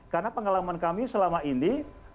karena pengalaman kami selama ini